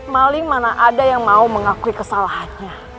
maling mana ada yang mau mengakui kesalahannya